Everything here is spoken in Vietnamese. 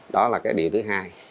đó là cái điều thứ hai